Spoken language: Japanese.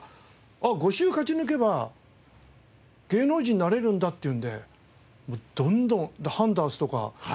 あっ５週勝ち抜けば芸能人になれるんだっていうんでもうどんどん。